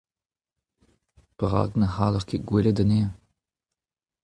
Perak ne cʼhaller ket gwelet anezhañ ?